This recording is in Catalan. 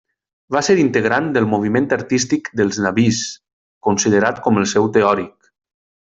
Va ser integrant del moviment artístic dels nabís, considerat com el seu teòric.